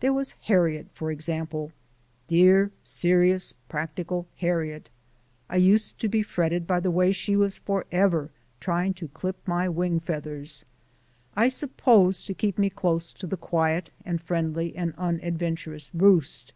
There was Harriet, for example, dear, serious, practical Harriet. I used to be fretted by the way she was forever trying to clip my wing feathers I suppose to keep me close to the quiet and friendly and unadventurous roost!